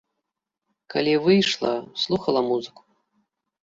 Калі выйшла, слухала музыку.